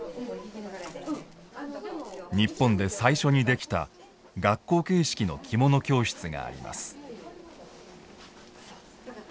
日本で最初にできた学校形式のきもの教室があります。